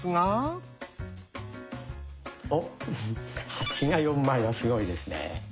「８」が４枚はすごいですね。